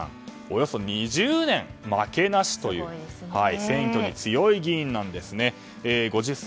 およそ２０年負けなしという選挙に強い議員なんですね。